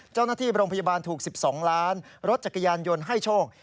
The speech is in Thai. เจ้าหน้าที่โรงพยาบาลถูก๑๒ล้านรถจักรยานยนต์ให้โชค